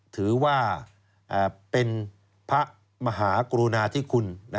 ถือว่าเป็นพระมหากรุณาธิคุณ